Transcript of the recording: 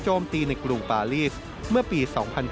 ตีในกรุงปาลีสเมื่อปี๒๕๕๙